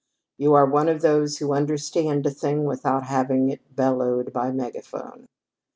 You are one of those who understand a thing without having it bellowed by megaphone.